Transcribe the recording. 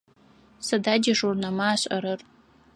Сыда дежурнэмэ ашӏэрэр?